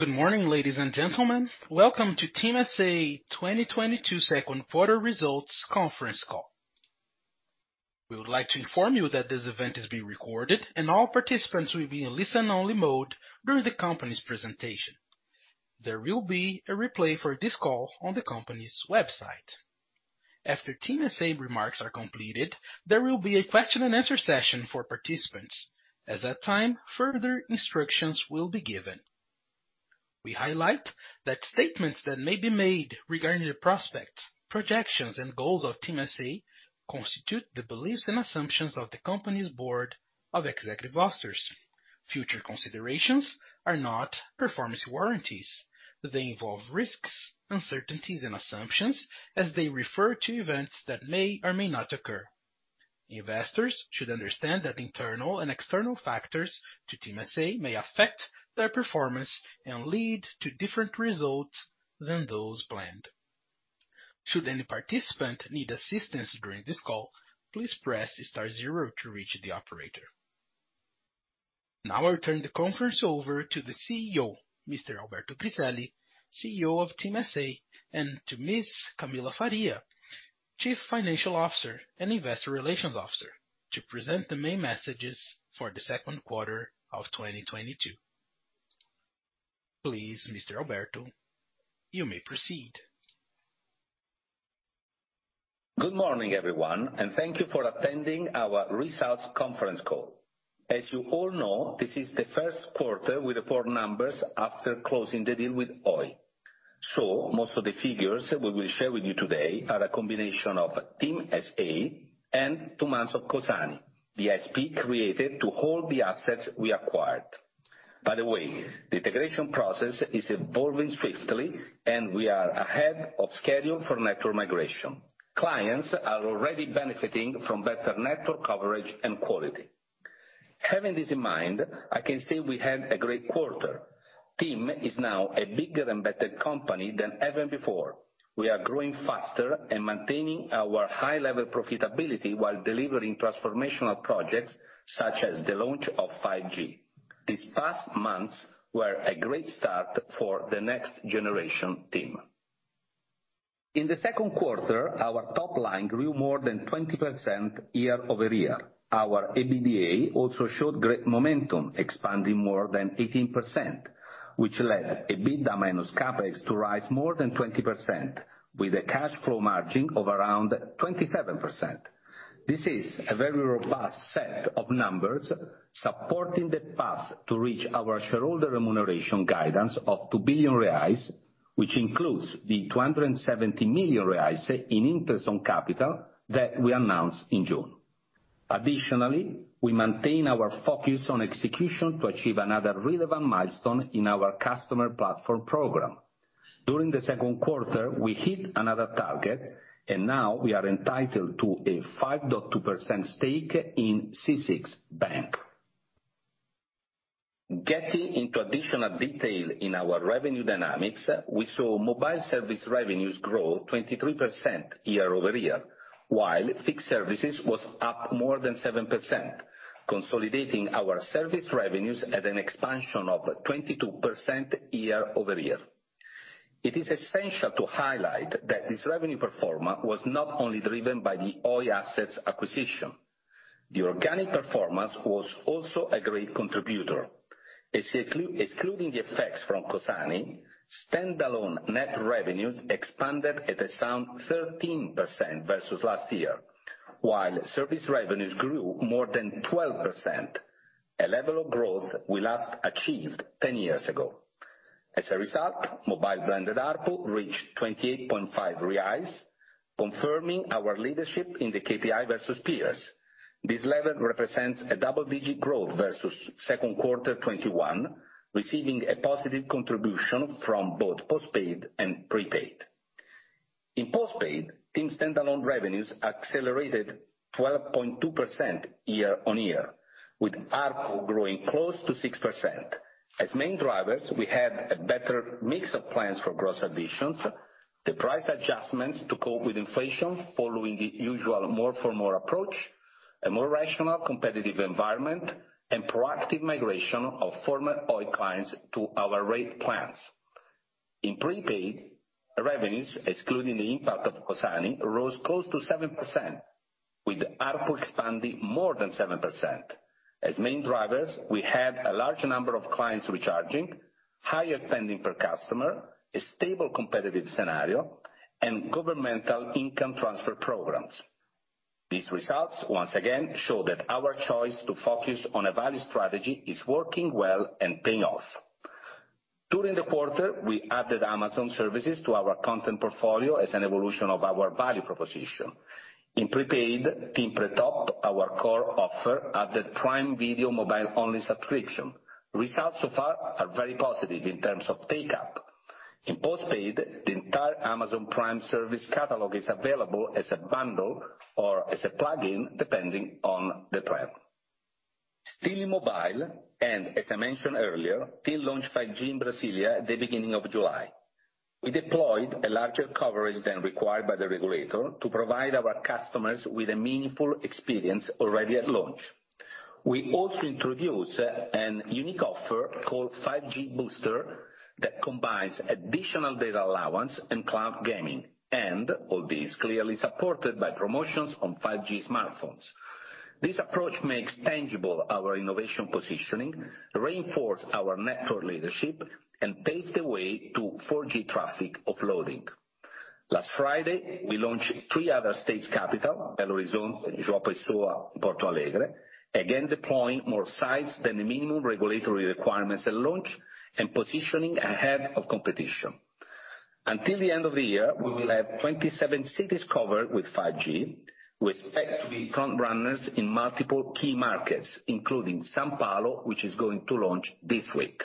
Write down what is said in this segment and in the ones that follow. Good morning, ladies and gentlemen. Welcome to TIM S.A. 2022 second quarter results conference call. We would like to inform you that this event is being recorded and all participants will be in listen only mode during the company's presentation. There will be a replay for this call on the company's website. After TIM S.A. remarks are completed, there will be a question and answer session for participants. At that time, further instructions will be given. We highlight that statements that may be made regarding the prospects, projections and goals of TIM S.A. constitute the beliefs and assumptions of the company's board of executive officers. Future considerations are not performance warranties. They involve risks, uncertainties and assumptions as they refer to events that may or may not occur. Investors should understand that internal and external factors to TIM S.A. may affect their performance and lead to different results than those planned. Should any participant need assistance during this call, please press star zero to reach the operator. Now I'll turn the conference over to the CEO, Mr. Alberto Griselli, CEO of TIM S.A., and to Ms. Camille Faria, Chief Financial Officer and Investor Relations Officer, to present the main messages for the second quarter of 2022. Please, Mr. Alberto, you may proceed. Good morning, everyone, and thank you for attending our results conference call. As you all know, this is the first quarter with the four numbers after closing the deal with Oi. Most of the figures we will share with you today are a combination of TIM S.A. and two months of Cozani, the SPV created to hold the assets we acquired. By the way, the integration process is evolving swiftly, and we are ahead of schedule for network migration. Clients are already benefiting from better network coverage and quality. Having this in mind, I can say we had a great quarter. TIM is now a bigger and better company than ever before. We are growing faster and maintaining our high level profitability while delivering transformational projects such as the launch of 5G. These past months were a great start for the next generation TIM. In the second quarter, our top line grew more than 20% year-over-year. Our EBITDA also showed great momentum, expanding more than 18%, which led EBITDA minus CapEx to rise more than 20% with a cash flow margin of around 27%. This is a very robust set of numbers supporting the path to reach our shareholder remuneration guidance of 2 billion reais, which includes the 270 million reais in interest on capital that we announced in June. Additionally, we maintain our focus on execution to achieve another relevant milestone in our customer platform program. During the second quarter, we hit another target and now we are entitled to a 5.2% stake in C6 Bank. Getting into additional detail in our revenue dynamics, we saw mobile service revenues grow 23% year-over-year, while fixed services was up more than 7%, consolidating our service revenues at an expansion of 22% year-over-year. It is essential to highlight that this revenue performance was not only driven by the Oi assets acquisition. The organic performance was also a great contributor. Excluding the effects from Cozani, standalone net revenues expanded at a sound 13% versus last year, while service revenues grew more than 12%, a level of growth we last achieved 10 years ago. As a result, mobile blended ARPU reached 28.5 reais, confirming our leadership in the KTI versus peers. This level represents a double-digit growth versus second quarter 2021, receiving a positive contribution from both postpaid and prepaid. In postpaid, TIM standalone revenues accelerated 12.2% year-over-year, with ARPU growing close to 6%. As main drivers, we had a better mix of plans for gross additions, the price adjustments to cope with inflation following the usual more for more approach, a more rational competitive environment, and proactive migration of former Oi clients to our rate plans. In prepaid, revenues, excluding the impact of Cozani, rose close to 7%, with ARPU expanding more than 7%. As main drivers, we had a large number of clients recharging, higher spending per customer, a stable competitive scenario, and governmental income transfer programs. These results once again show that our choice to focus on a value strategy is working well and paying off. During the quarter, we added Amazon services to our content portfolio as an evolution of our value proposition. In prepaid, TIM Pré TOP, our core offer, added Prime Video Mobile only subscription. Results so far are very positive in terms of take-up. In postpaid, the entire Amazon Prime service catalog is available as a bundle or as a plug-in, depending on the plan. Still in mobile, and as I mentioned earlier, TIM launched 5G in Brasília at the beginning of July. We deployed a larger coverage than required by the regulator to provide our customers with a meaningful experience already at launch. We also introduced a unique offer called 5G Booster that combines additional data allowance and cloud gaming. All this clearly supported by promotions on 5G smartphones. This approach makes tangible our innovation positioning, reinforce our network leadership, and paves the way to 4G traffic offloading. Last Friday, we launched three other states' capitals, Belo Horizonte, João Pessoa, Porto Alegre, again, deploying more sites than the minimum regulatory requirements at launch and positioning ahead of competition. Until the end of the year, we will have 27 cities covered with 5G. We expect to be frontrunners in multiple key markets, including São Paulo, which is going to launch this week.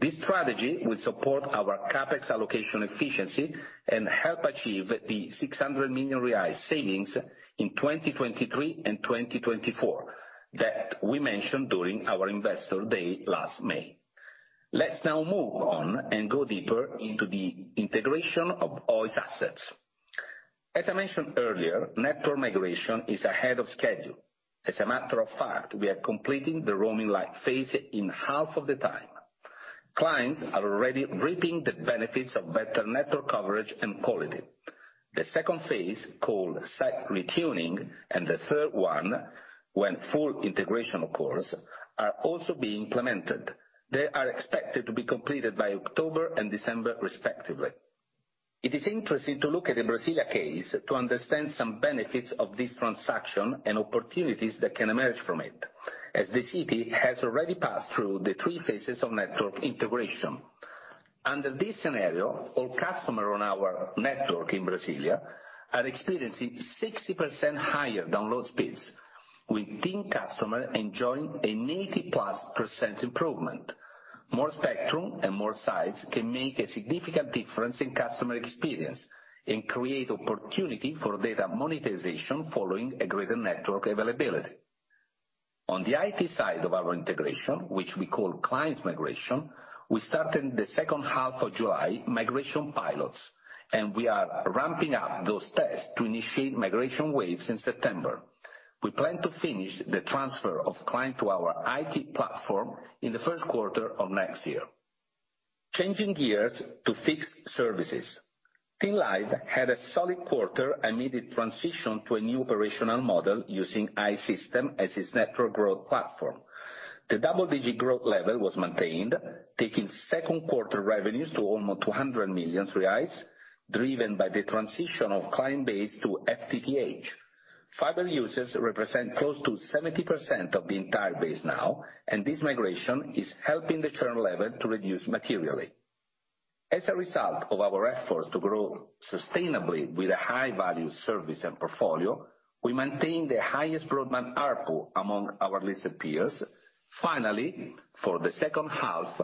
This strategy will support our CapEx allocation efficiency and help achieve the 600 million reais savings in 2023 and 2024 that we mentioned during our investor day last May. Let's now move on and go deeper into the integration of Oi's assets. As I mentioned earlier, network migration is ahead of schedule. As a matter of fact, we are completing the roaming live phase in half of the time. Clients are already reaping the benefits of better network coverage and quality. The second phase, called site retuning, and the third one, when full integration occurs, are also being implemented. They are expected to be completed by October and December, respectively. It is interesting to look at the Brasília case to understand some benefits of this transaction and opportunities that can emerge from it, as the city has already passed through the three phases of network integration. Under this scenario, all customers on our network in Brasília are experiencing 60% higher download speeds, with TIM customers enjoying an 80%+ improvement. More spectrum and more sites can make a significant difference in customer experience and create opportunity for data monetization following a greater network availability. On the IT side of our integration, which we call client migration, we start in the second half of July migration pilots, and we are ramping up those tests to initiate migration waves in September. We plan to finish the transfer of clients to our IT platform in the first quarter of next year. Changing gears to fixed services. TIM Live had a solid quarter amid the transition to a new operational model using I-Systems as its network growth platform. The double-digit growth level was maintained, taking second quarter revenues to almost 200 million reais, driven by the transition of client base to FTTH. Fiber users represent close to 70% of the entire base now, and this migration is helping the churn level to reduce materially. As a result of our efforts to grow sustainably with a high-value service and portfolio, we maintain the highest broadband ARPU among our listed peers. Finally, for the second half,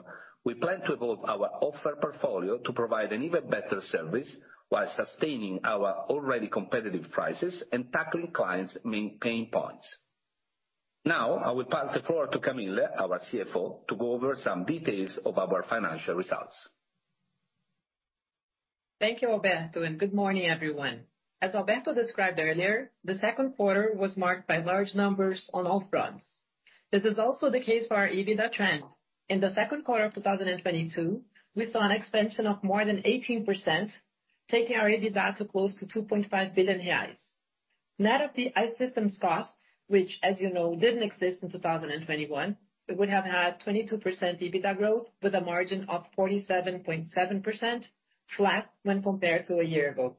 we plan to evolve our offer portfolio to provide an even better service while sustaining our already competitive prices and tackling clients' main pain points. Now, I will pass the floor to Camille, our CFO, to go over some details of our financial results. Thank you, Alberto, and good morning, everyone. As Alberto described earlier, the second quarter was marked by large numbers on all fronts. This is also the case for our EBITDA trend. In the second quarter of 2022, we saw an expansion of more than 18%, taking our EBITDA to close to 2.5 billion reais. Net of the I-Systems cost, which as you know, didn't exist in 2021, we would have had 22% EBITDA growth with a margin of 47.7%, flat when compared to a year ago.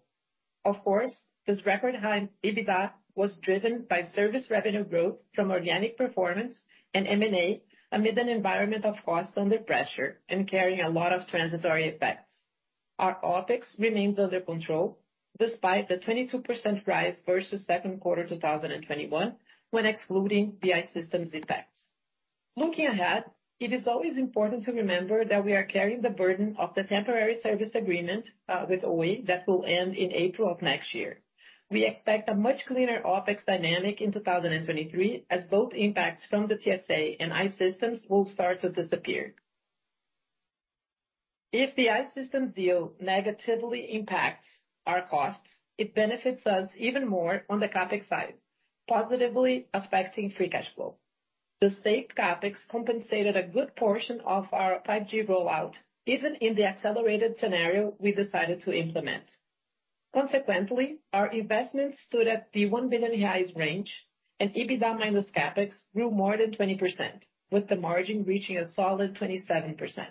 Of course, this record high EBITDA was driven by service revenue growth from organic performance and M&A amid an environment of costs under pressure and carrying a lot of transitory effects. Our OpEx remains under control despite the 22% rise versus second quarter 2021 when excluding the I-Systems impacts. Looking ahead, it is always important to remember that we are carrying the burden of the temporary service agreement with Oi that will end in April of next year. We expect a much cleaner OpEx dynamic in 2023 as both impacts from the TSA and I-Systems will start to disappear. If the I-Systems deal negatively impacts our costs, it benefits us even more on the CapEx side, positively affecting free cash flow. The stated CapEx compensated a good portion of our 5G rollout, even in the accelerated scenario we decided to implement. Consequently, our investments stood at the 1 billion reais range, and EBITDA minus CapEx grew more than 20%, with the margin reaching a solid 27%.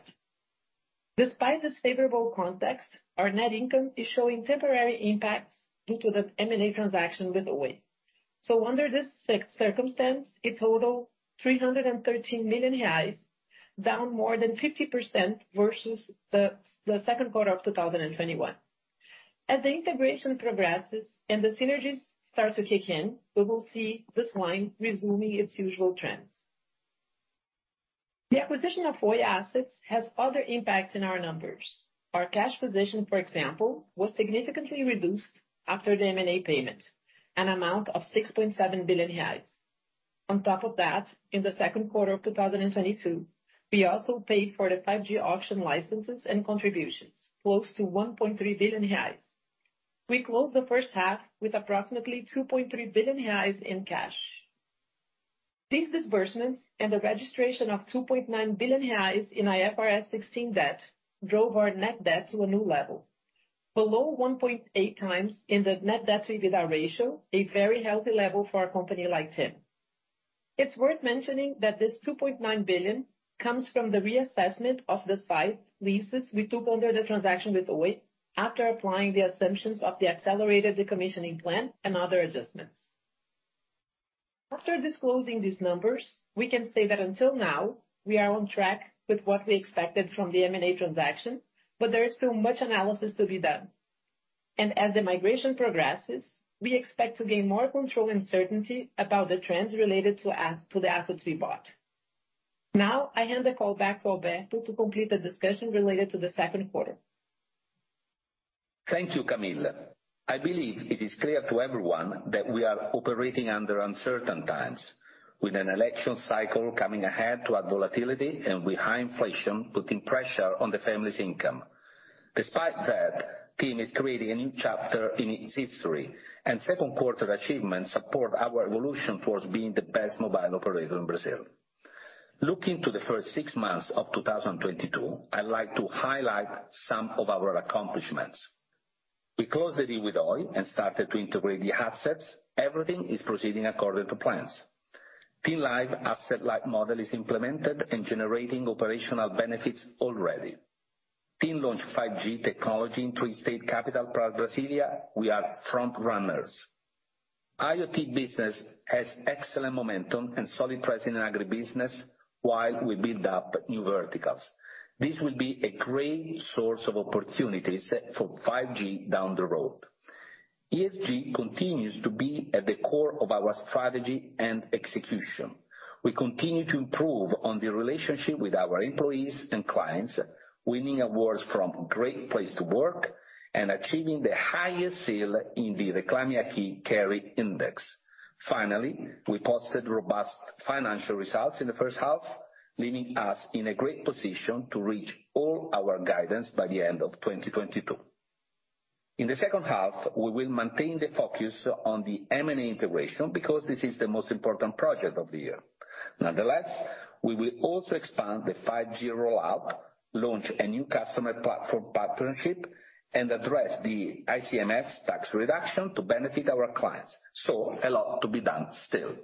Despite this favorable context, our net income is showing temporary impacts due to the M&A transaction with Oi. Under this circumstance, it totaled 313 million reais, down more than 50% versus the second quarter of 2021. As the integration progresses and the synergies start to kick in, we will see this line resuming its usual trends. The acquisition of Oi assets has other impacts in our numbers. Our cash position, for example, was significantly reduced after the M&A payment, an amount of 6.7 billion reais. On top of that, in the second quarter of 2022, we also paid for the 5G auction licenses and contributions, close to 1.3 billion reais. We closed the first half with approximately 2.3 billion reais in cash. These disbursements and the registration of 2.9 billion reais in IFRS 16 debt drove our net debt to a new level, below 1.8 times in the net debt-EBITDA ratio, a very healthy level for a company like TIM. It's worth mentioning that this 2.9 billion comes from the reassessment of the site leases we took under the transaction with Oi after applying the assumptions of the accelerated decommissioning plan and other adjustments. After disclosing these numbers, we can say that until now, we are on track with what we expected from the M&A transaction, but there is still much analysis to be done. As the migration progresses, we expect to gain more control and certainty about the trends related to as to the assets we bought. Now I hand the call back to Alberto to complete the discussion related to the second quarter. Thank you, Camille. I believe it is clear to everyone that we are operating under uncertain times, with an election cycle coming ahead to add volatility and with high inflation putting pressure on the family's income. Despite that, TIM is creating a new chapter in its history, and second quarter achievements support our evolution towards being the best mobile operator in Brazil. Looking to the first six months of 2022, I'd like to highlight some of our accomplishments. We closed the deal with Oi and started to integrate the assets. Everything is proceeding according to plans. TIM Live asset light model is implemented and generating operational benefits already. TIM launched 5G technology in twin state capital, Brasília. We are front runners. IoT business has excellent momentum and solid presence in agribusiness while we build up new verticals. This will be a great source of opportunities for 5G down the road. ESG continues to be at the core of our strategy and execution. We continue to improve on the relationship with our employees and clients, winning awards from Great Place to Work and achieving the highest seal in the Reclame AQUI RA1000. Finally, we posted robust financial results in the first half, leaving us in a great position to reach all our guidance by the end of 2022. In the second half, we will maintain the focus on the M&A integration because this is the most important project of the year. Nonetheless, we will also expand the 5G rollout, launch a new customer platform partnership, and address the ICMS tax reduction to benefit our clients. A lot to be done still.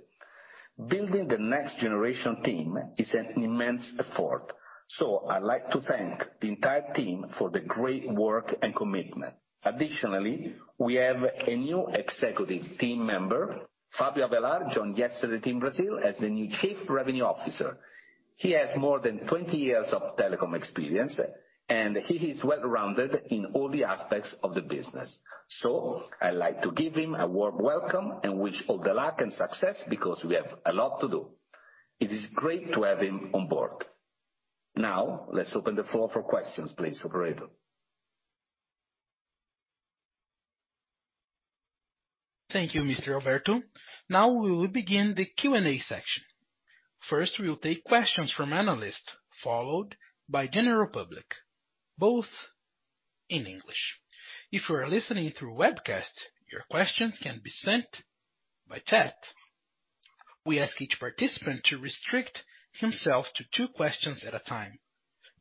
Building the next generation team is an immense effort, so I'd like to thank the entire team for the great work and commitment. Additionally, we have a new executive team member, Fabio Avellar joined yesterday TIM Brasil as the new Chief Revenue Officer. He has more than 20 years of telecom experience, and he is well-rounded in all the aspects of the business. I'd like to give him a warm welcome and wish all the luck and success because we have a lot to do. It is great to have him on board. Now, let's open the floor for questions, please, operator. Thank you, Mr. Alberto. Now we will begin the Q&A section. First, we will take questions from analysts, followed by general public, both in English. If you are listening through webcast, your questions can be sent by chat. We ask each participant to restrict himself to two questions at a time.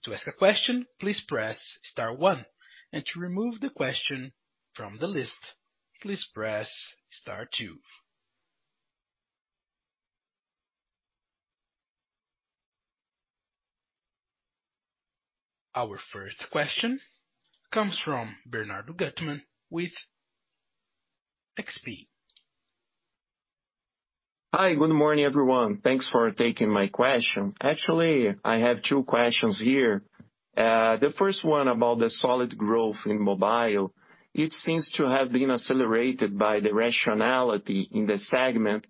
To ask a question, please press star one. To remove the question from the list, please press star two. Our first question comes from Bernardo Guttmann with XP. Hi, good morning, everyone. Thanks for taking my question. Actually, I have two questions here. The first one about the solid growth in mobile, it seems to have been accelerated by the rationality in the segment.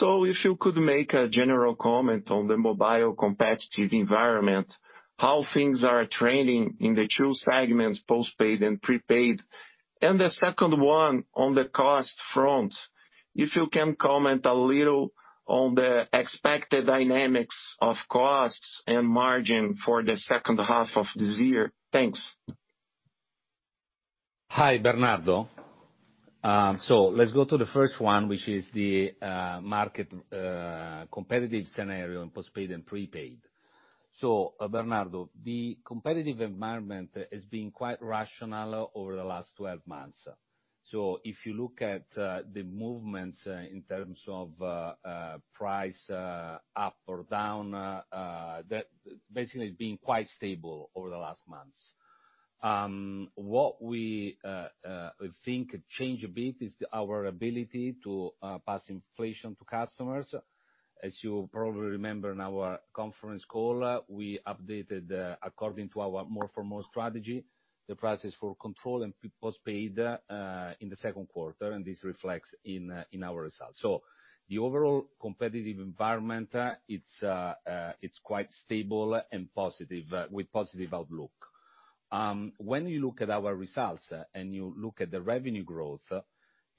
If you could make a general comment on the mobile competitive environment, how things are trending in the two segments, postpaid and prepaid? The second one on the cost front, if you can comment a little on the expected dynamics of costs and margin for the second half of this year? Thanks. Hi, Bernardo. Let's go to the first one, which is the market competitive scenario in postpaid and prepaid. Bernardo, the competitive environment has been quite rational over the last 12 months. If you look at the movements in terms of price up or down, that basically has been quite stable over the last months. What we think change a bit is our ability to pass inflation to customers. As you probably remember in our conference call, we updated according to our More for More strategy, the prices for control and postpaid in the second quarter, and this reflects in our results. The overall competitive environment it's quite stable and positive with positive outlook. When you look at our results, and you look at the revenue growth.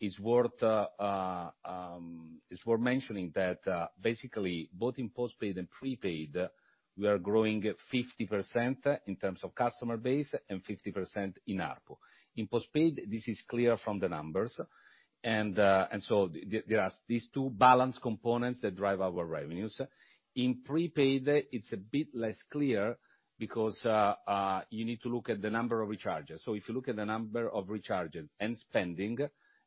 It's worth mentioning that, basically, both in postpaid and prepaid, we are growing at 50% in terms of customer base and 50% in ARPU. In postpaid, this is clear from the numbers and there are these two balance components that drive our revenues. In prepaid, it's a bit less clear because you need to look at the number of recharges. If you look at the number of recharges and spending,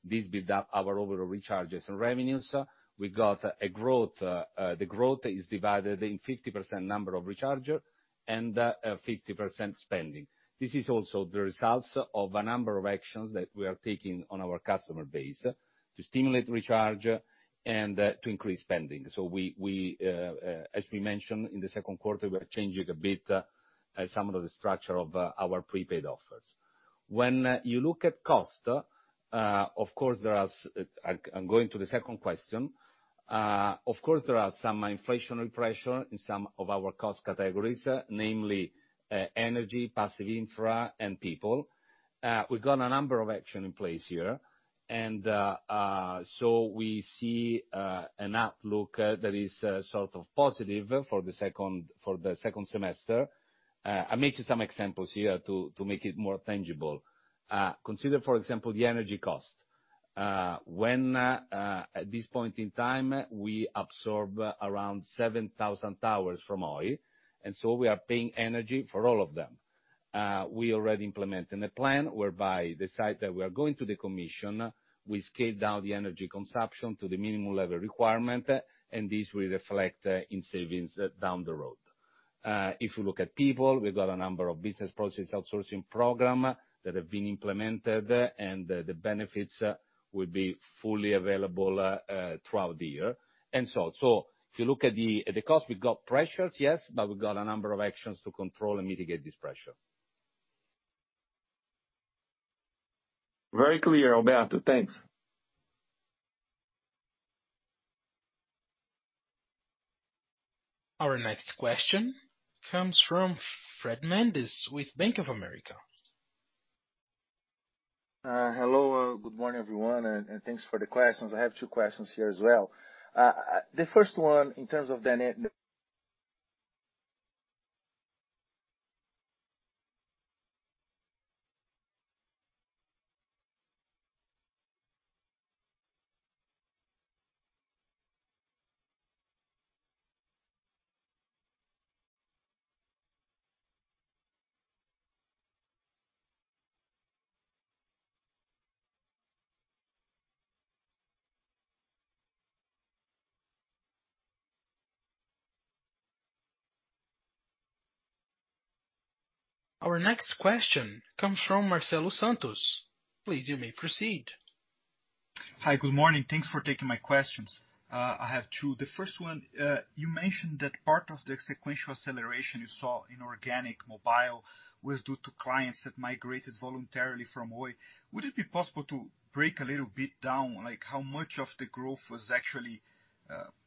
this builds up our overall recharges and revenues. We got a growth, the growth is divided in 50% number of recharges and 50% spending. This is also the results of a number of actions that we are taking on our customer base to stimulate recharge and to increase spending. We mentioned in the second quarter, we are changing a bit some of the structure of our prepaid offers. When you look at costs, of course, there are some inflationary pressure in some of our cost categories, namely, energy, passive infra, and people. We've got a number of actions in place here, and we see an outlook that is sort of positive for the second semester. I'll make you some examples here to make it more tangible. Consider, for example, the energy cost. At this point in time, we absorb around 7,000 towers from Oi, and so we are paying for energy for all of them. We already implemented a plan whereby the site that we are going to the commission, we scale down the energy consumption to the minimum level requirement, and this will reflect in savings down the road. If you look at people, we've got a number of business process outsourcing program that have been implemented, and the benefits will be fully available throughout the year. If you look at the cost, we've got pressures, yes, but we've got a number of actions to control and mitigate this pressure. Very clear, Alberto. Thanks. Our next question comes from Fred Mendes with Bank of America. Hello. Good morning, everyone, and thanks for the questions. I have two questions here as well. The first one, in terms of the net- Our next question comes from Marcelo Santos. Please, you may proceed. Hi. Good morning. Thanks for taking my questions. I have two. The first one, you mentioned that part of the sequential acceleration you saw in organic mobile was due to clients that migrated voluntarily from Oi. Would it be possible to break a little bit down, like how much of the growth was actually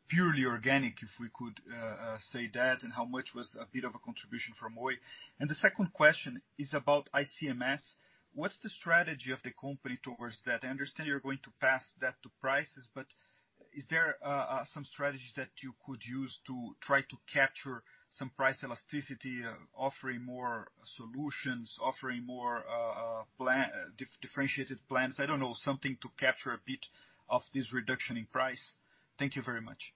purely organic, if we could say that, and how much was a bit of a contribution from Oi? The second question is about ICMS. What's the strategy of the company towards that? I understand you're going to pass that to prices, but is there some strategies that you could use to try to capture some price elasticity, offering more solutions, offering more differentiated plans? I don't know, something to capture a bit of this reduction in price. Thank you very much.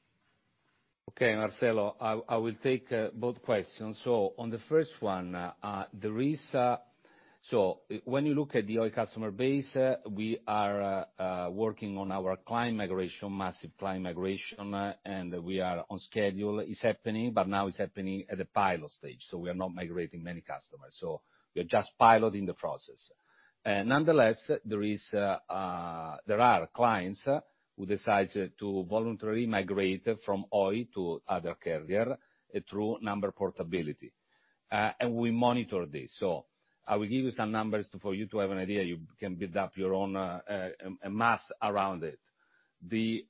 Okay, Marcelo, I will take both questions. On the first one, there is. When you look at the Oi customer base, we are working on our client migration, massive client migration, and we are on schedule. It's happening, but now it's happening at the pilot stage, so we are not migrating many customers. We are just piloting the process. Nonetheless, there are clients who decides to voluntarily migrate from Oi to other carrier through number portability, and we monitor this. I will give you some numbers for you to have an idea. You can build up your own math around it. The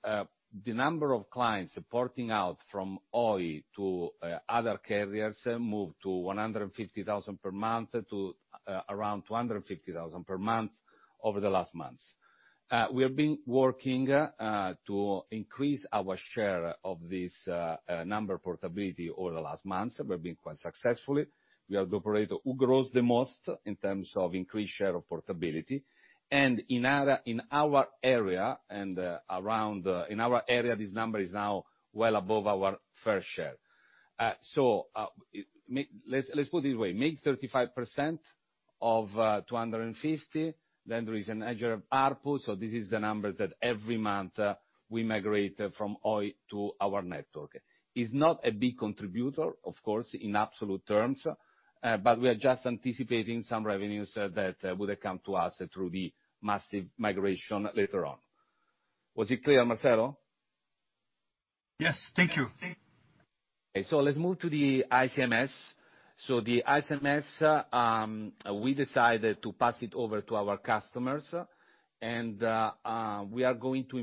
number of clients porting out from Oi to other carriers moved to 150,000 per month to around 250,000 per month over the last months. We have been working to increase our share of this number of portability over the last months. We've been quite successfully. We are the operator who grows the most in terms of increased share of portability. In our area, this number is now well above our fair share. Let's put it this way. Make 35% of 250, then there is an edge of ARPU, so this is the numbers that every month we migrate from Oi to our network. It's not a big contributor, of course, in absolute terms, but we are just anticipating some revenues that would come to us through the massive migration later on. Was it clear, Marcelo? Yes. Thank you. Let's move to the ICMS. The ICMS, we decided to pass it over to our customers, and we are going to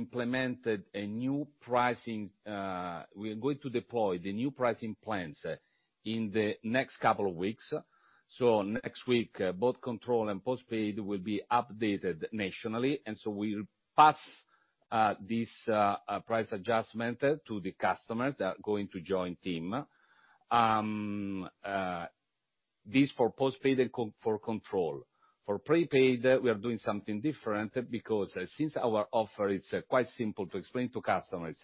deploy the new pricing plans in the next couple of weeks. Next week, both control and postpaid will be updated nationally, and we'll pass This price adjustment to the customers that are going to join TIM, this for postpaid and control. For prepaid, we are doing something different because since our offer is quite simple to explain to customers,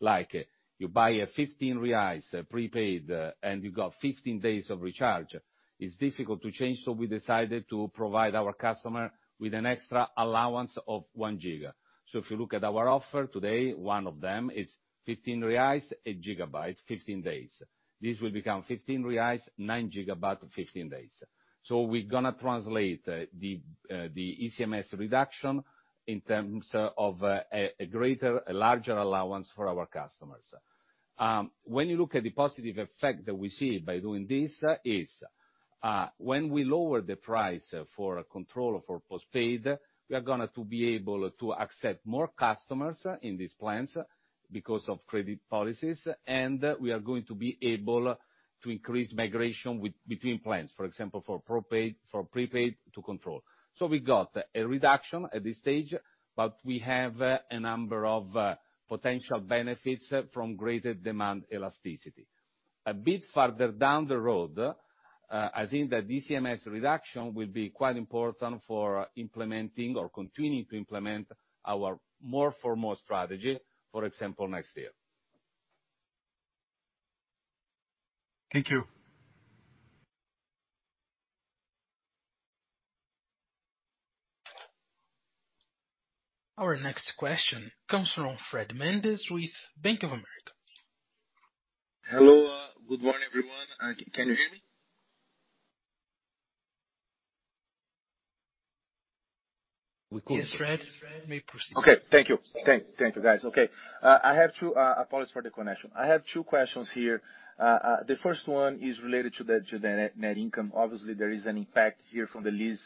like you buy a 15 reais prepaid and you got 15 days of recharge, it's difficult to change, so we decided to provide our customer with an extra allowance of 1 GB. If you look at our offer today, one of them is 15 reais, 8 GB, 15 days. This will become 15 reais, 9 GB, 15 days. We're gonna translate the ICMS reduction in terms of a greater, larger allowance for our customers. When you look at the positive effect that we see by doing this is when we lower the price for a control for postpaid, we are gonna to be able to accept more customers in these plans because of credit policies, and we are going to be able to increase migration between plans, for example, for prepaid to control. We got a reduction at this stage, but we have a number of potential benefits from greater demand elasticity. A bit further down the road, I think the ICMS reduction will be quite important for implementing or continuing to implement our more for more strategy, for example, next year. Thank you. Our next question comes from Fred Mendes with Bank of America. Hello. Good morning, everyone. Can you hear me? We can. Yes. Fred, you may proceed. Okay. Thank you, guys. Okay. Apologies for the connection. I have two questions here. The first one is related to the net income. Obviously, there is an impact here from the lease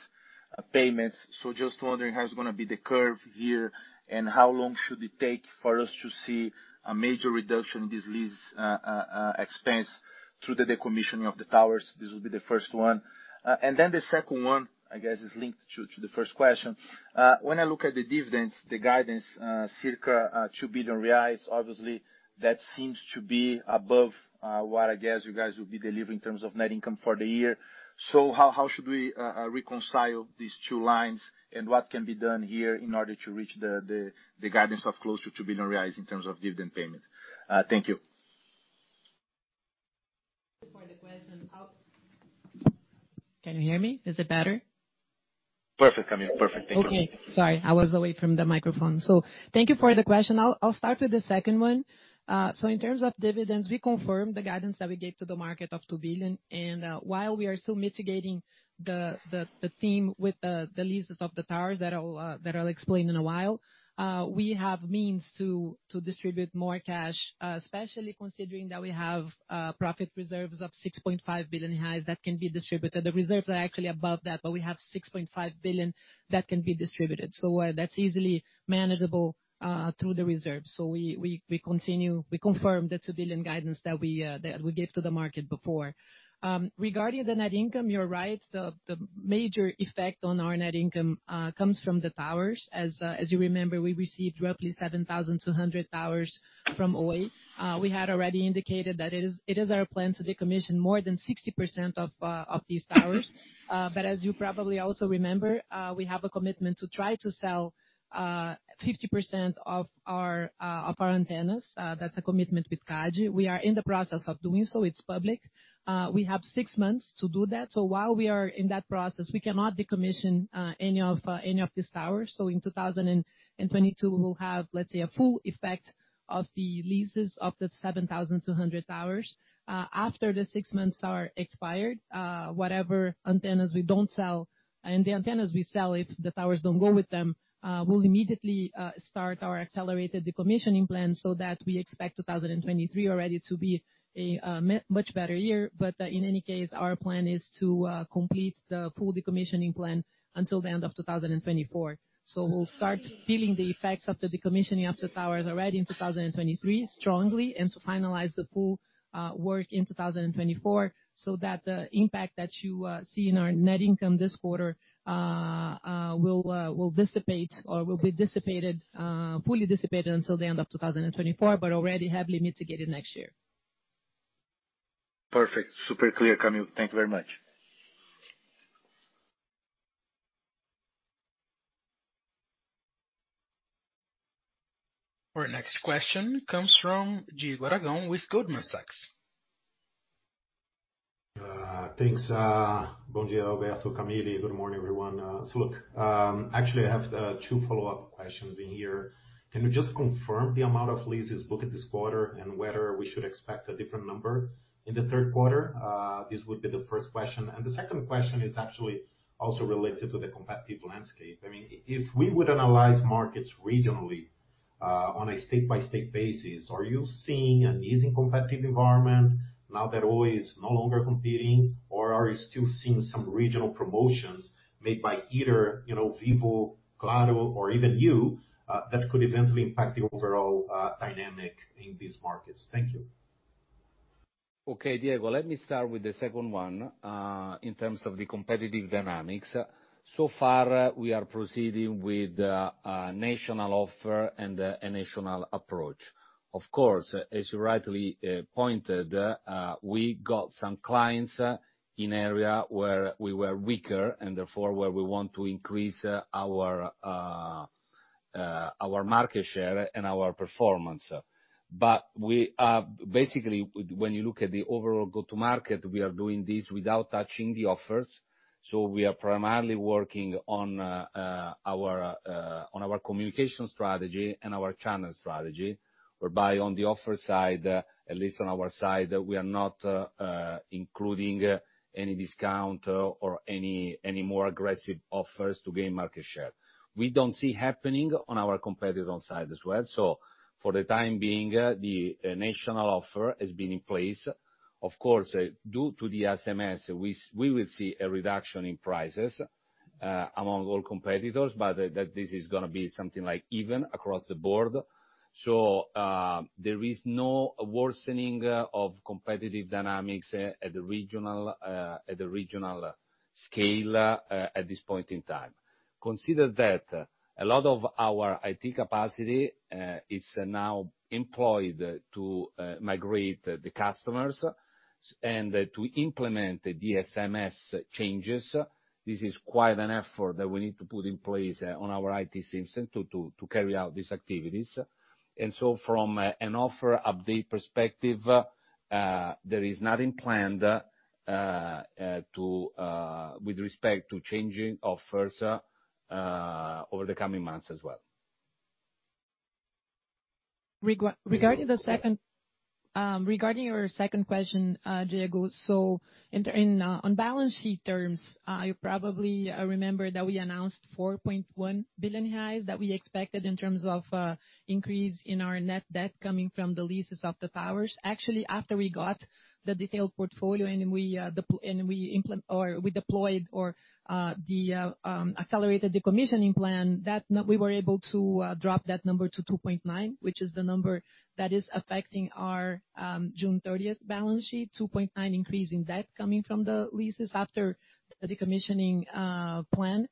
payments. Just wondering how is gonna be the curve here, and how long should it take for us to see a major reduction in this lease expense through the decommissioning of the towers? This will be the first one. The second one, I guess, is linked to the first question. When I look at the dividends guidance, circa 2 billion reais, obviously, that seems to be above what I guess you guys will be delivering in terms of net income for the year. How should we reconcile these two lines, and what can be done here in order to reach the guidance of close to 2 billion reais in terms of dividend payment? Thank you. For the question. Can you hear me? Is it better? Perfect, Camille. Perfect. Thank you. Okay. Sorry, I was away from the microphone. Thank you for the question. I'll start with the second one. In terms of dividends, we confirm the guidance that we gave to the market of 2 billion. While we are still mitigating the theme with the leases of the towers that I'll explain in a while, we have means to distribute more cash, especially considering that we have profit reserves of 6.5 billion that can be distributed. The reserves are actually above that, but we have 6.5 billion that can be distributed. That's easily manageable through the reserves. We confirm the BRL 2 billion guidance that we gave to the market before. Regarding the net income, you're right. The major effect on our net income comes from the towers. As you remember, we received roughly 7,200 towers from Oi. We had already indicated that it is our plan to decommission more than 60% of these towers. But as you probably also remember, we have a commitment to try to sell 50% of our antennas. That's a commitment with CADE. We are in the process of doing so. It's public. We have six months to do that. While we are in that process, we cannot decommission any of these towers. In 2022, we'll have, let's say, a full effect of the leases of the 7,200 towers. After the six months are expired, whatever antennas we don't sell, and the antennas we sell, if the towers don't go with them, we'll immediately start our accelerated decommissioning plan so that we expect 2023 already to be a much better year. In any case, our plan is to complete the full decommissioning plan until the end of 2024. We'll start feeling the effects of the decommissioning of the towers already in 2023 strongly, and to finalize the full work in 2024, so that the impact that you see in our net income this quarter will dissipate or will be dissipated, fully dissipated until the end of 2024, but already heavily mitigated next year. Perfect. Super clear, Camille. Thank you very much. Our next question comes from Diego Aragão with Goldman Sachs. Thanks. Bon dia, Alberto, Camille. Good morning, everyone. Look, actually, I have two follow-up questions in here. Can you just confirm the amount of leases booked this quarter and whether we should expect a different number in the third quarter? This would be the first question. The second question is actually also related to the competitive landscape. I mean, if we would analyze markets regionally, on a state-by-state basis, are you seeing an easing competitive environment now that Oi is no longer competing, or are you still seeing some regional promotions made by either, you know, Vivo, Claro, or even you, that could eventually impact the overall dynamic in these markets? Thank you. Okay, Diego, let me start with the second one. In terms of the competitive dynamics, so far we are proceeding with a national offer and a national approach. Of course, as you rightly pointed, we got some clients in area where we were weaker and therefore where we want to increase our market share and our performance. We are basically when you look at the overall go-to market, we are doing this without touching the offers. We are primarily working on our communication strategy and our channel strategy, whereby on the offer side, at least on our side, we are not including any discount or any more aggressive offers to gain market share. We don't see happening on our competitor side as well. For the time being, the national offer has been in place. Of course, due to the SMS, we will see a reduction in prices among all competitors, but that this is gonna be something like even across the board. There is no worsening of competitive dynamics at the regional scale at this point in time. Consider that a lot of our IT capacity is now employed to migrate the customers and to implement the SMS changes. This is quite an effort that we need to put in place on our IT system to carry out these activities. From an offer update perspective, there is nothing planned with respect to changing offers over the coming months as well. Regarding your second question, Diego Aragão. In on-balance-sheet terms, you probably remember that we announced 4.1 billion reais that we expected in terms of increase in our net debt coming from the leases of the towers. Actually, after we got the detailed portfolio and we accelerated the commissioning plan, we were able to drop that number to 2.9 billion, which is the number that is affecting our June 30 balance sheet, 2.9 billion increase in debt coming from the leases after the decommissioning plan.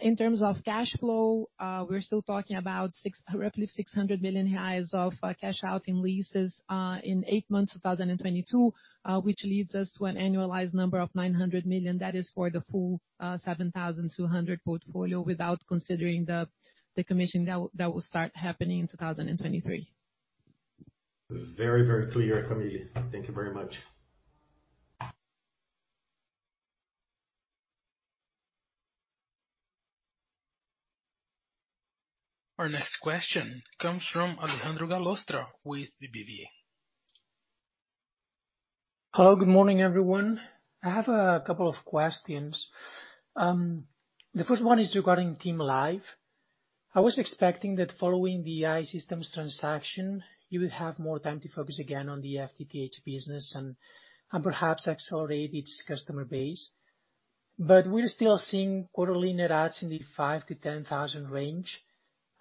In terms of cash flow, we're still talking about roughly 600 million reais of cash out in leases, in eight months, 2022, which leads us to an annualized number of 900 million. That is for the full 7,200 portfolio without considering the commission that will start happening in 2023. Very, very clear, Camille. Thank you very much. Our next question comes from Alejandro Gallostra with BBVA. Hello, good morning, everyone. I have a couple of questions. The first one is regarding TIM Live. I was expecting that following the I-Systems transaction, you would have more time to focus again on the FTTH business and perhaps accelerate its customer base. We're still seeing quarterly net adds in the 5,000-10,000 range.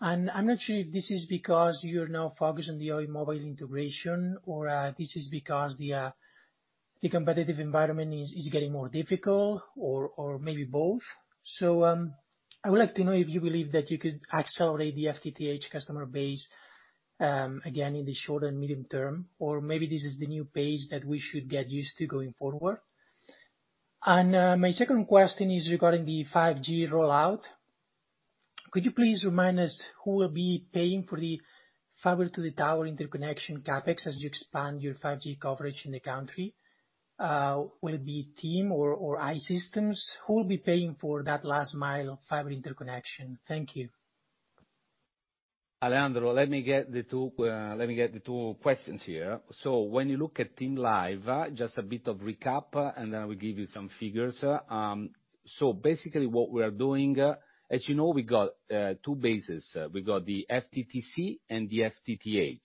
I'm not sure if this is because you're now focused on the Oi mobile integration or this is because the competitive environment is getting more difficult or maybe both. I would like to know if you believe that you could accelerate the FTTH customer base again in the short and medium term, or maybe this is the new pace that we should get used to going forward. My second question is regarding the 5G rollout. Could you please remind us who will be paying for the fiber to the tower interconnection CapEx as you expand your 5G coverage in the country? Will it be TIM or I-Systems? Who will be paying for that last mile fiber interconnection? Thank you. Alejandro, let me get the two questions here. When you look at TIM Live, just a bit of recap, and then I will give you some figures. Basically what we are doing, as you know, we got two bases. We've got the FTTC and the FTTH.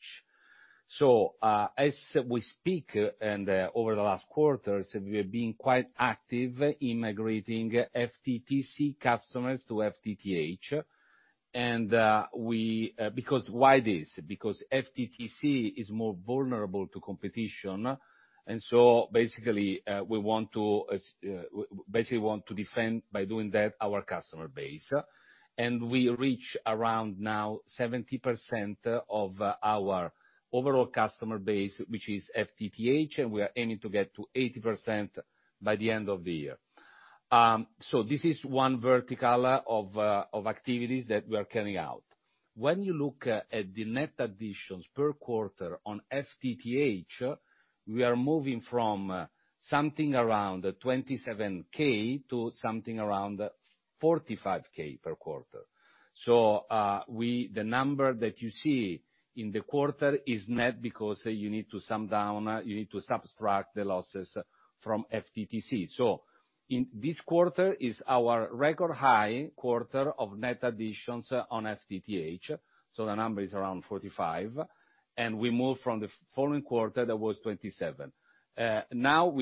As we speak and over the last quarters, we are being quite active in migrating FTTC customers to FTTH. Because why this? Because FTTC is more vulnerable to competition. Basically we want to defend by doing that our customer base. We reach around now 70% of our overall customer base, which is FTTH, and we are aiming to get to 80% by the end of the year. This is one vertical of activities that we are carrying out. When you look at the net additions per quarter on FTTH, we are moving from something around 27K to something around 45K per quarter. The number that you see in the quarter is net because you need to sum down, you need to subtract the losses from FTTC. In this quarter is our record high quarter of net additions on FTTH, so the number is around 45, and we moved from the following quarter, that was 27. Now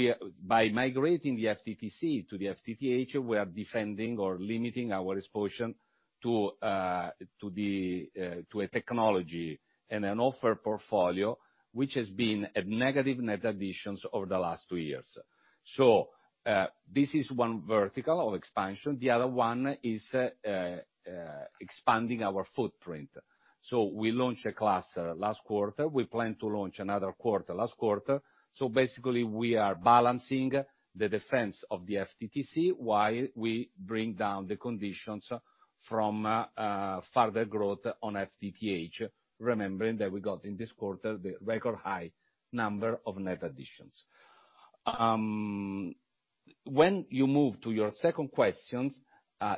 by migrating the FTTC to the FTTH, we are defending or limiting our exposure to a technology and an offer portfolio which has been at negative net additions over the last two years. This is one vertical of expansion. The other one is expanding our footprint. We launched a cluster last quarter. We plan to launch another cluster this quarter. Basically we are balancing the defense of the FTTC while we bring down the conditions for further growth on FTTH, remembering that we got in this quarter the record high number of net additions. When you move to your second question,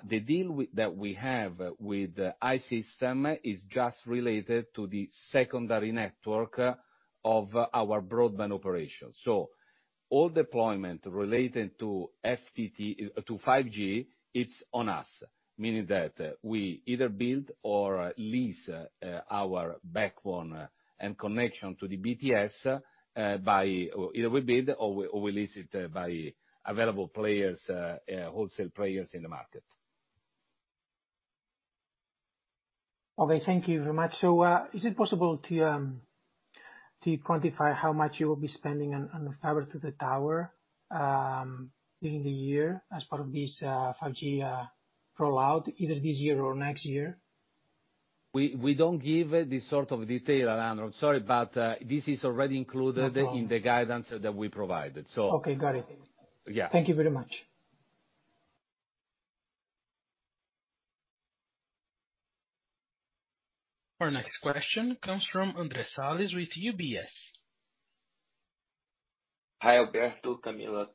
the deal that we have with I-Systems is just related to the secondary network of our broadband operations. All deployment related to 5G, it's on us, meaning that we either build or lease our backbone and connection to the BTS from available wholesale players in the market. Okay, thank you very much. Is it possible to quantify how much you will be spending on the fiber to the tower during the year as part of this 5G rollout, either this year or next year? We don't give this sort of detail, Alejandro. I'm sorry, but this is already included. No problem. in the guidance that we provided. Okay, got it. Yeah. Thank you very much. Our next question comes from Andrea Salles with UBS. Hi, Alberto, Camille.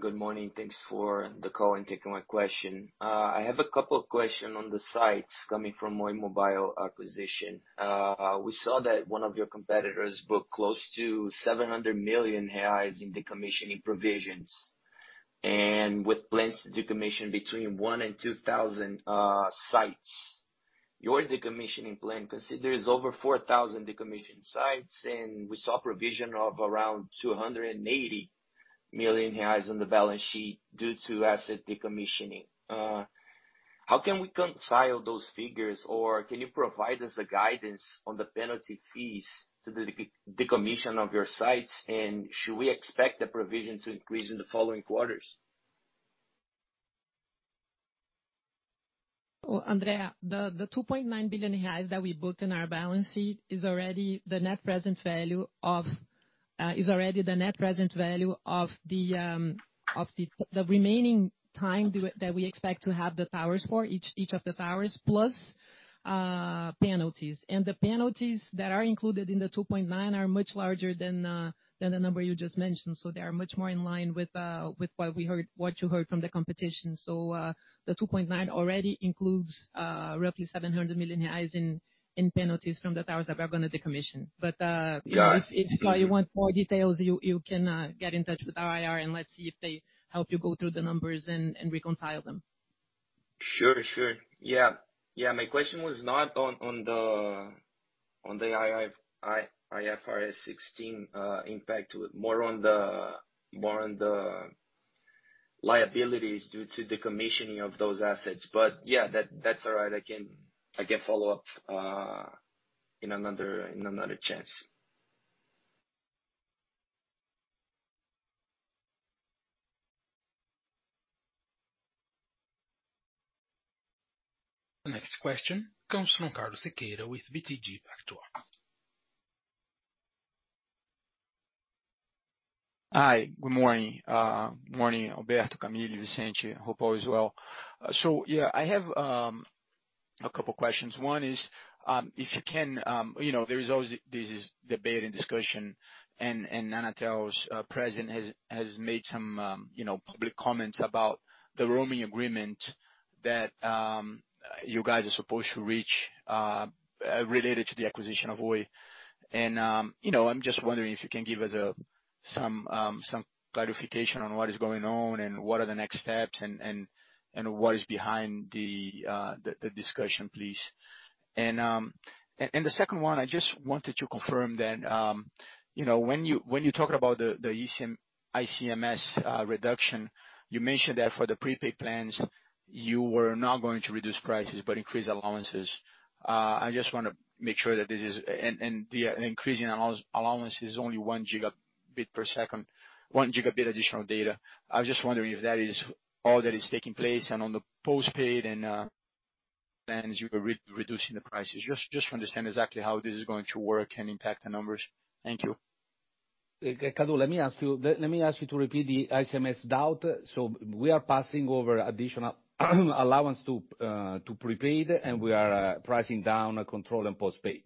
Good morning. Thanks for the call and taking my question. I have a couple question on the sites coming from Oi mobile acquisition. We saw that one of your competitors book close to 700 million reais in decommissioning provisions and with plans to decommission between 1,000 and 2,000 sites. Your decommissioning plan considers over 4,000 decommission sites, and we saw provision of around 280 million reais on the balance sheet due to asset decommissioning. How can we reconcile those figures? Or can you provide us a guidance on the penalty fees to the decommissioning of your sites? And should we expect the provision to increase in the following quarters? Oh, Andrea, the 2.9 billion reais that we booked in our balance sheet is already the net present value of the remaining time that we expect to have the towers for each of the towers plus penalties. The penalties that are included in the 2.9 billion are much larger than the number you just mentioned. They are much more in line with what you heard from the competition. The 2.9 billion already includes roughly 700 million reais in penalties from the towers that we're gonna decommission. Got it. If you want more details, you can get in touch with our IR and let's see if they help you go through the numbers and reconcile them. Sure. Yeah, my question was not on the IFRS 16 impact to it. More on the liabilities due to the commissioning of those assets. Yeah, that's all right. I can follow up in another chance. The next question comes from Carlos Sequeira with BTG Pactual. Hi, good morning. Morning, Alberto, Camille, Vicente. Hope all is well. Yeah, I have a couple questions. One is, if you can, you know, there is always this debate and discussion and Anatel's president has made some, you know, public comments about the roaming agreement that you guys are supposed to reach, related to the acquisition of Oi. You know, I'm just wondering if you can give us some clarification on what is going on and what are the next steps and what is behind the discussion, please. The second one, I just wanted to confirm that, you know, when you talk about the ICMS reduction, you mentioned that for the prepaid plans, you were not going to reduce prices but increase allowances. I just want to make sure that this is, and the increase in allowance is only 1 gigabyte additional data. I was just wondering if that is all that is taking place and on the postpaid plans you're reducing the prices. Just to understand exactly how this is going to work and impact the numbers. Thank you. Carlos, let me ask you to repeat the ICMS doubt. We are passing on additional allowance to prepaid, and we are pricing down control and postpaid.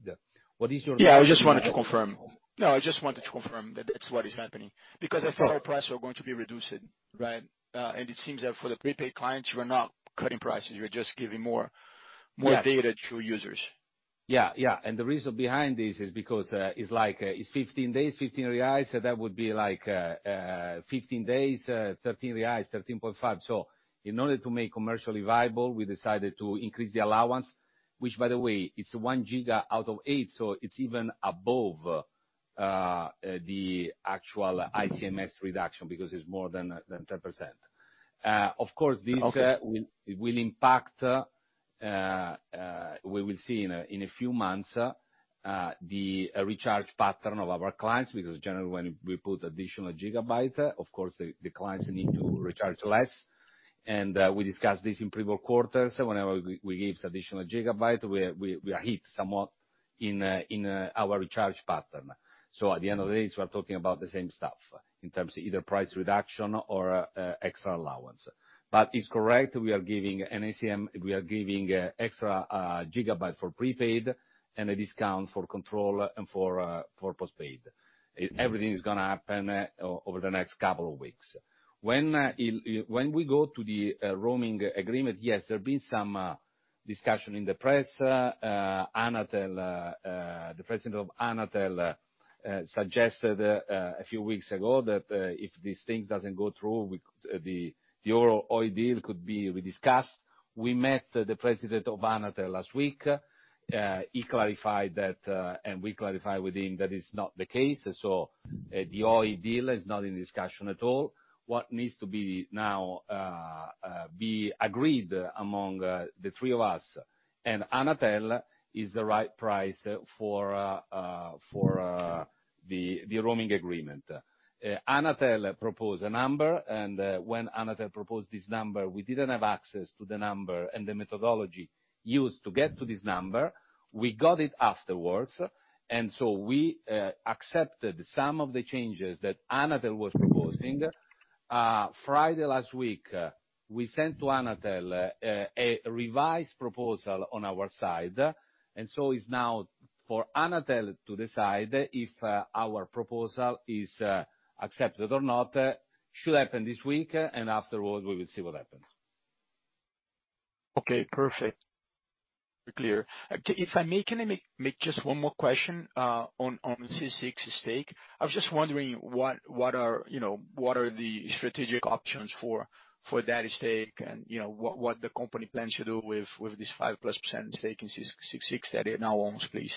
Yeah, I just wanted to confirm. No, I just wanted to confirm that that's what is happening. Okay. Because I think our prices are going to be reduced, right? It seems that for the prepaid clients, you are not cutting prices, you're just giving more data to users. Yeah, yeah. The reason behind this is because it's like, it's 15 days, 15 reais, so that would be like, 15 days, 13.5. In order to make commercially viable, we decided to increase the allowance, which by the way, it's one giga out of eight, so it's even above the actual ICMS reduction because it's more than 10%. Of course, this will impact. We will see in a few months the recharge pattern of our clients, because generally when we put additional gigabyte, the clients need to recharge less. We discussed this in previous quarters, whenever we give additional gigabyte, we are hit somewhat in our recharge pattern. At the end of the day, we're talking about the same stuff in terms of either price reduction or extra allowance. It's correct, we are giving NCM, we are giving extra gigabytes for prepaid and a discount for control and for postpaid. Everything is gonna happen over the next couple of weeks. When we go to the roaming agreement, yes, there have been some discussion in the press. Anatel, the president of Anatel suggested a few weeks ago that if these things doesn't go through, the Oi deal could be rediscussed. We met the president of Anatel last week. He clarified that, and we clarified with him that is not the case. The Oi deal is not in discussion at all. What needs to be now be agreed among the three of us and Anatel is the right price for the roaming agreement. Anatel propose a number, and when Anatel proposed this number, we didn't have access to the number and the methodology used to get to this number. We got it afterwards. We accepted some of the changes that Anatel was proposing. Friday last week, we sent to Anatel a revised proposal on our side. It's now for Anatel to decide if our proposal is accepted or not. Should happen this week, and afterwards we will see what happens. Okay, perfect. Clear. If I may, can I make just one more question on the C6 stake? I was just wondering what are the strategic options for that stake, and you know, what the company plans to do with this 5+% stake in C6 that it now owns, please.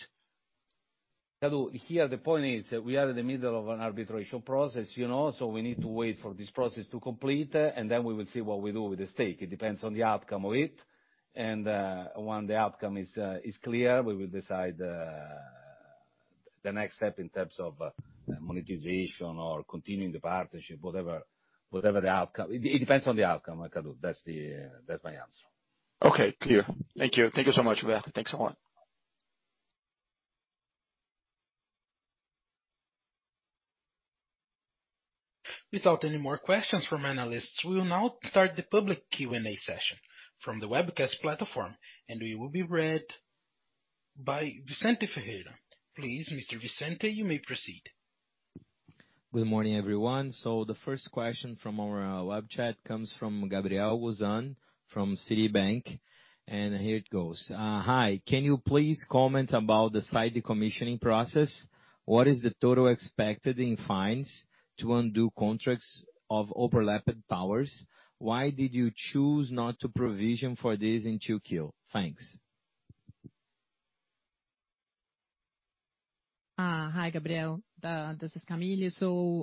Kadu, here the point is that we are in the middle of an arbitration process, you know, so we need to wait for this process to complete, and then we will see what we do with the stake. It depends on the outcome of it. When the outcome is clear, we will decide the next step in terms of monetization or continuing the partnership, whatever the outcome. It depends on the outcome, Kadu. That's my answer. Okay, clear. Thank you. Thank you so much, Alberto Griselli. Thanks a lot. Without any more questions from analysts, we will now start the public Q&A session from the webcast platform, and we will be read by Vicente Ferreira. Please, Mr. Vicente, you may proceed. Good morning, everyone. The first question from our web chat comes from Gabriel Uzan from Citibank, and here it goes. "Hi, can you please comment about the site decommissioning process? What is the total expected in fines to undo contracts of overlapped towers? Why did you choose not to provision for this in 2Q? Thanks. Hi, Gabriel. This is Camille Faria.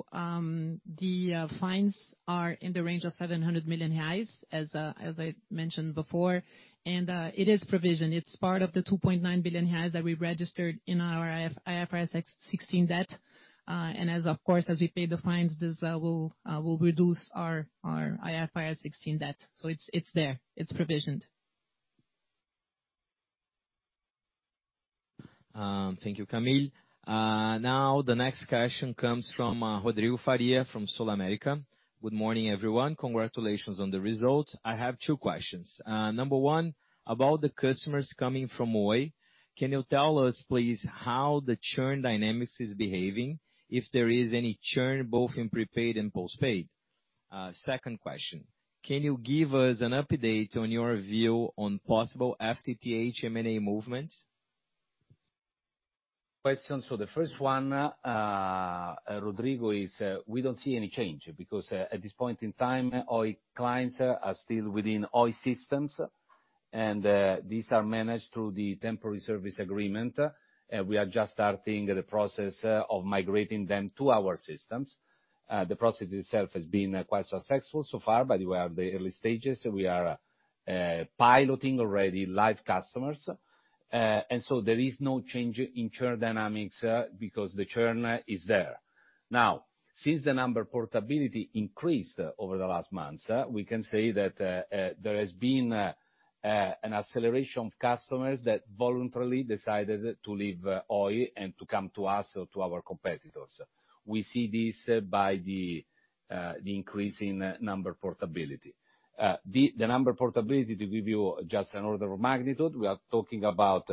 The fines are in the range of 700 million reais, as I mentioned before, and it is provisioned. It's part of the 2.9 billion reais that we registered in our IFRS 16 debt. Of course, as we pay the fines, this will reduce our IFRS 16 debt. It's there, it's provisioned. Thank you, Camille. Now the next question comes from Rodrigo Faria from Sul América. "Good morning, everyone. Congratulations on the result. I have two questions. Number one, about the customers coming from Oi, can you tell us, please, how the churn dynamics is behaving, if there is any churn both in prepaid and postpaid? Second question, can you give us an update on your view on possible FTTH M&A movements? Questions. The first one, Rodrigo, is we don't see any change because at this point in time, Oi clients are still within Oi systems, and these are managed through the temporary service agreement. We are just starting the process of migrating them to our systems. The process itself has been quite successful so far, but we are at the early stages. We are piloting already live customers. There is no change in churn dynamics because the churn is there. Now, since the number portability increased over the last months, we can say that there has been an acceleration of customers that voluntarily decided to leave Oi and to come to us or to our competitors. We see this by the increase in number portability. The number portability, to give you just an order of magnitude, we are talking about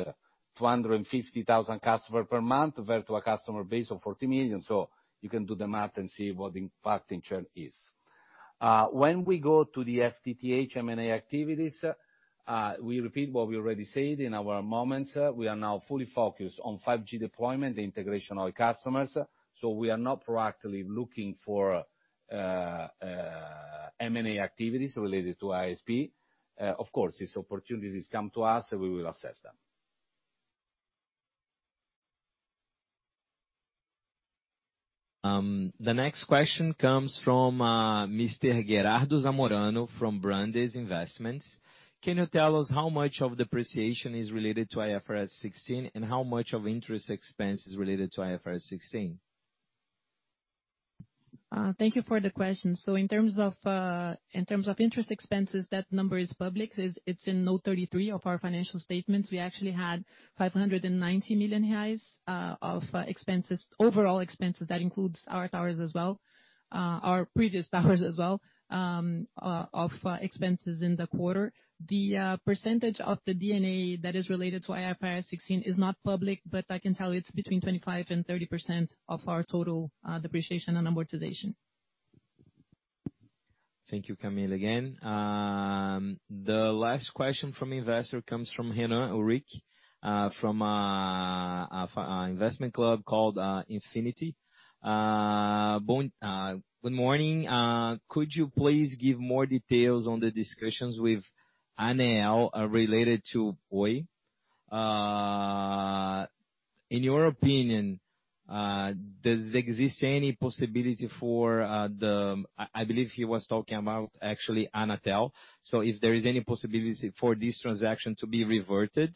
250,000 customers per month, relative to a customer base of 40 million. You can do the math and see what the impact on churn is. When we go to the FTTH M&A activities, we repeat what we already said in our comments. We are now fully focused on 5G deployment, the integration of customers. We are not proactively looking for, M&A activities related to ISP. Of course, if opportunities come to us, we will assess them. The next question comes from Mr. Gerardo Zamorano from Brandes Investment Partners. Can you tell us how much of depreciation is related to IFRS 16, and how much of interest expense is related to IFRS 16? Thank you for the question. In terms of interest expenses, that number is public. It's in note 33 of our financial statements. We actually had 590 million reais of expenses. Overall expenses, that includes our towers as well, our previous towers as well, of expenses in the quarter. The percentage of the D&A that is related to IFRS 16 is not public, but I can tell it's between 25% and 30% of our total depreciation and amortization. Thank you, Camille, again. The last question from investor comes from Renan Ulrich from investment club called Infinity. Good morning. Could you please give more details on the discussions with Anatel related to Oi? In your opinion, does exist any possibility for the transaction to be reverted? I believe he was talking about actually Anatel. If there is any possibility for this transaction to be reverted.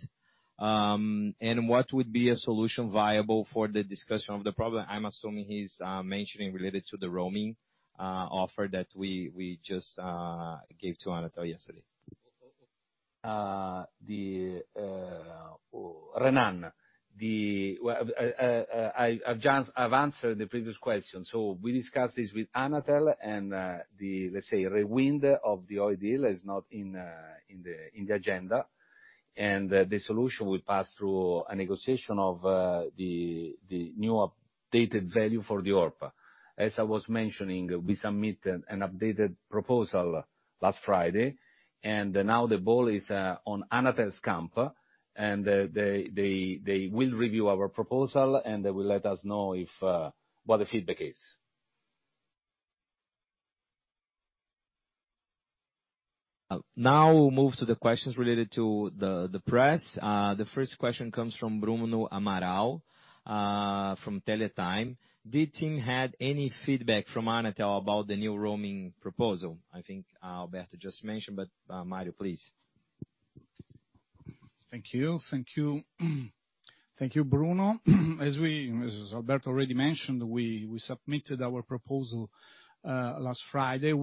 And what would be a solution viable for the discussion of the problem? I'm assuming he's mentioning related to the roaming offer that we just gave to Anatel yesterday. Renan. I've answered the previous question. We discussed this with Anatel and, let's say, a rewind of the Oi deal is not in the agenda. The solution will pass through a negotiation of the new updated value for the ORPA. As I was mentioning, we submitted an updated proposal last Friday, and now the ball is on Anatel's court, and they will review our proposal and they will let us know what the feedback is. Now we'll move to the questions related to the press. The first question comes from Bruno Amaral from Teletime. Did TIM have any feedback from Anatel about the new roaming proposal? I think Alberto just mentioned, but Mario, please. Thank you, Bruno. As Alberto already mentioned, we submitted our proposal last Friday,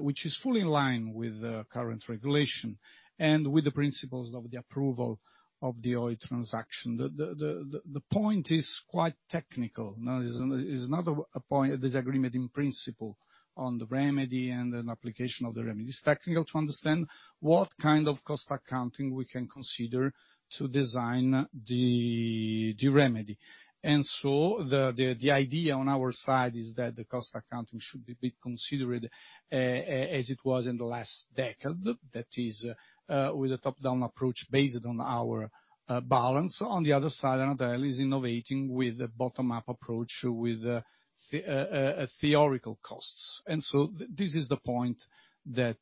which is fully in line with the current regulation and with the principles of the approval of the Oi transaction. The point is quite technical. It is not a point of disagreement in principle on the remedy and an application of the remedy. It's technical to understand what kind of cost accounting we can consider to design the remedy. The idea on our side is that the cost accounting should be considered as it was in the last decade. That is, with a top-down approach based on our balance. On the other side, Anatel is innovating with a bottom-up approach with a theoretical costs. This is the point that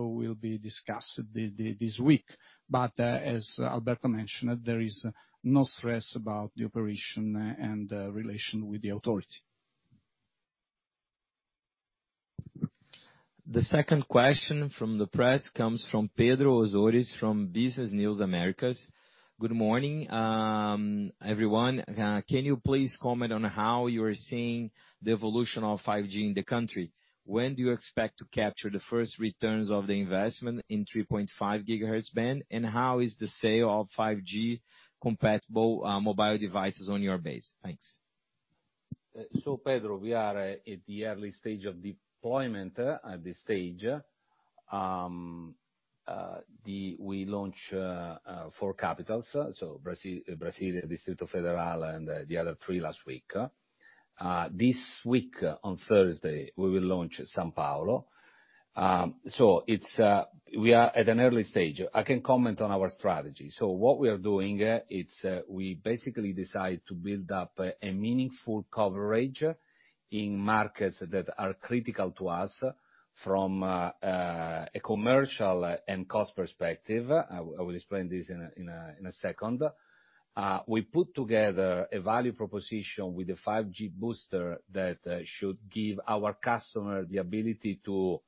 will be discussed this week. As Alberto mentioned, there is no stress about the operation and relation with the authority. The second question from the press comes from Pedro zores from Business News Americas. Good morning, everyone. Can you please comment on how you're seeing the evolution of 5G in the country? When do you expect to capture the first returns of the investment in 3.5 GHz band? And how is the sale of 5G compatible mobile devices on your base? Thanks. Pedro, we are at the early stage of deployment. At this stage, we launch four capitals, so Brazil, Brasília, Distrito Federal, and the other three last week. This week on Thursday, we will launch São Paulo. It's we are at an early stage. I can comment on our strategy. What we are doing, it's we basically decide to build up a meaningful coverage in markets that are critical to us from a commercial and cost perspective. I will explain this in a second. We put together a value proposition with a 5G Booster that should give our customer the ability to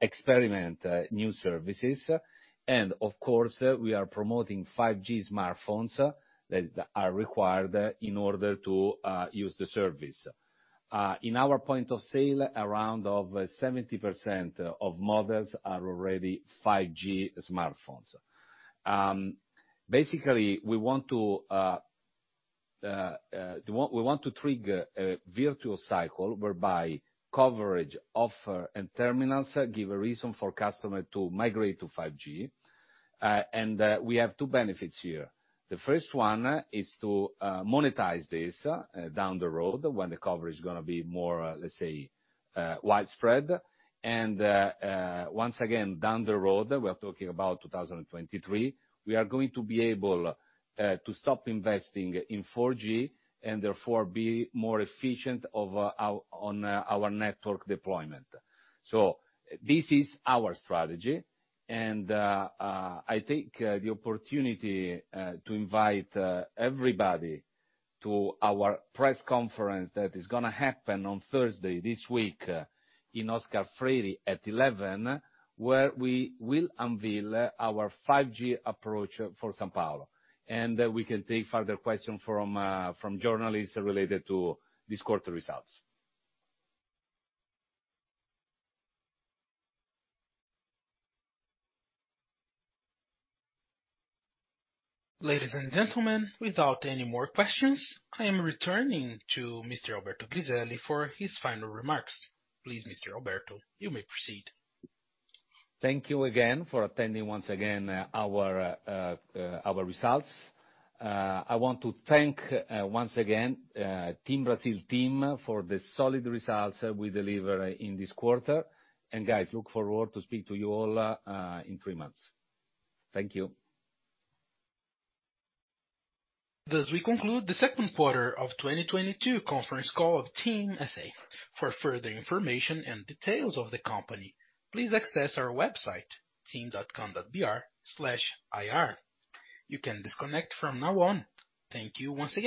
experiment new services. Of course, we are promoting 5G smartphones that are required in order to use the service. In our point of sale, around 70% of models are already 5G smartphones. Basically, we want to trigger a virtuous cycle whereby coverage, offer, and terminals give a reason for customer to migrate to 5G. We have two benefits here. The first one is to monetize this down the road when the coverage is gonna be more, let's say, widespread. Once again, down the road, we are talking about 2023, we are going to be able to stop investing in 4G and therefore be more efficient on our network deployment. This is our strategy, and I take the opportunity to invite everybody to our press conference that is gonna happen on Thursday this week in Oscar Freire at 11:00 A.M., where we will unveil our 5G approach for São Paulo. We can take further question from journalists related to these quarter results. Ladies and gentlemen, without any more questions, I am returning to Mr. Alberto Griselli for his final remarks. Please, Mr. Alberto, you may proceed. Thank you again for attending once again our results. I want to thank once again TIM Brazil for the solid results we deliver in this quarter. Guys, look forward to speak to you all in three months. Thank you. Thus we conclude the second quarter of 2022 conference call of TIM S.A. For further information and details of the company, please access our website, tim.com.br/ir. You can disconnect from now on. Thank you once again.